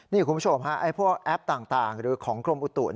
นี่คุณผู้ชมฮะไอ้พวกแอปต่างหรือของกรมอุตุ